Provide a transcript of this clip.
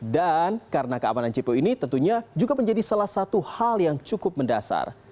dan karena keamanan jpo ini tentunya juga menjadi salah satu hal yang cukup mendasar